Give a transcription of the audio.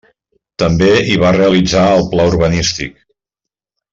També hi va realitzar el pla urbanístic.